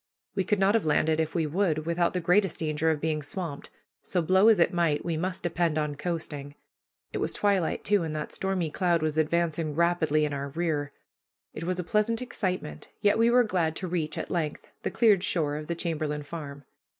We could not have landed if we would, without the greatest danger of being swamped; so blow as it might, we must depend on coasting. It was twilight, too, and that stormy cloud was advancing rapidly in our rear. It was a pleasant excitement, yet we were glad to reach, at length, the cleared shore of the Chamberlain Farm.